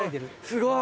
すごい！